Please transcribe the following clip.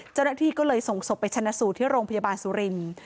เจ้าหน้าที่ก็เลยส่งศพไปชนะสูตรที่โรงพยาบาลสุรินทร์